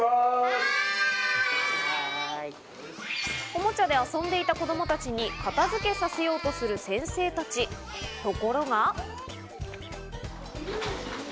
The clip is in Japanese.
おもちゃで遊んでいた子供たちに片付けをさせようとする先生たち、ところが。